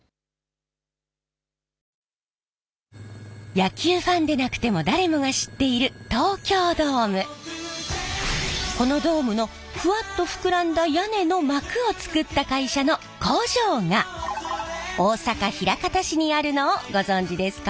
野球ファンでなくても誰もが知っているこのドームのフワッと膨らんだ屋根の膜を作った会社の工場が大阪・枚方市にあるのをご存じですか？